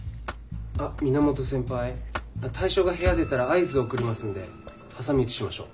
あっ源先輩対象が部屋出たら合図を送りますんで挟み撃ちしましょう。